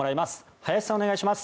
林さん、お願いします。